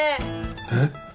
えっ？